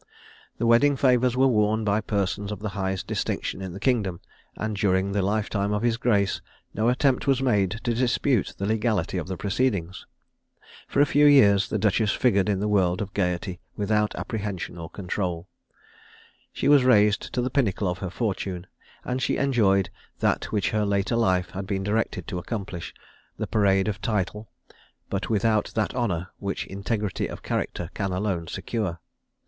The wedding favours were worn by persons of the highest distinction in the kingdom; and during the life time of his grace, no attempt was made to dispute the legality of the proceedings. For a few years the duchess figured in the world of gaiety without apprehension or control. She was raised to the pinnacle of her fortune, and she enjoyed that which her later life had been directed to accomplish the parade of title, but without that honour which integrity of character can alone secure.